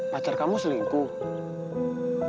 pacar kamu selingkuh